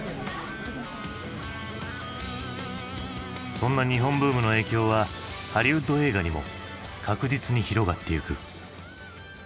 そんな日本ブームの影響はハリウッド映画にも確実に広がってゆく。